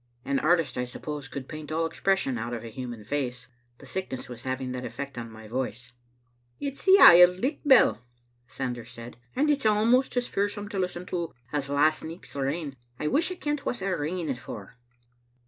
An artist, I suppose, could paint all expression out of a human face. The sickness was having that effect on my voice. "It's the Auld Licht bell," Sanders said; "and it's almost as fearsome to listen to as last nicht's rain. I wish I kent what they're ringing it for."